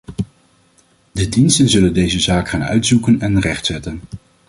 De diensten zullen deze zaak gaan uitzoeken en rechtzetten.